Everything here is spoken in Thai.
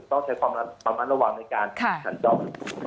ต้องใช้ความระวังในการสั่นจอด